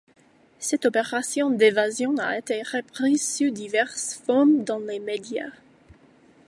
Cette opération d'évasion a été reprise sous diverses formes dans les médias.